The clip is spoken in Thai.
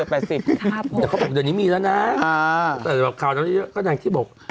ครับผมเดี๋ยวนี้มีแล้วนะแต่แบบคราวนั้นที่เยอะค่อนข้างที่บอก